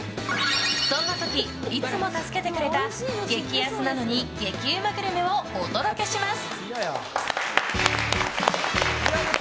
そんな時、いつも助けてくれた激安なのに激うまグルメをお届けします。